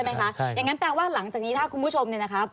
อย่างนั้นแปลว่าหลังจากนี้ถ้าคุณผู้ชมเนี่ยนะครับ